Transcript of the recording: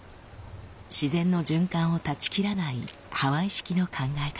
自然の循環を断ち切らないハワイ式の考え方。